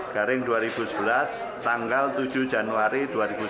garing dua ribu sebelas tanggal tujuh januari dua ribu sembilan belas